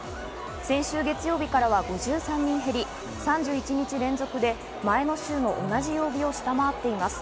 先週月曜日からは５３人減り、３１日連続で前の週の同じ曜日を下回っています。